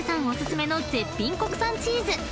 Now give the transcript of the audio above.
お薦めの絶品国産チーズ］